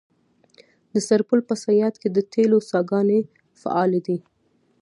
د سرپل په صیاد کې د تیلو څاګانې فعالې دي.